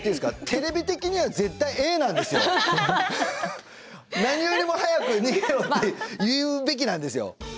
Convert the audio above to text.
テレビ的には絶対Ａなんですよ。何よりも早く逃げろって言うべきなんですよ。